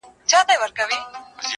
o زما زړۀ کي فقط تۀ خلکو پیدا کړې ,